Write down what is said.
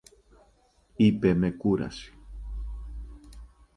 είπε με κούραση.